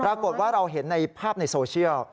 ปรากฏว่าเราเห็นในภาพในโซเชียล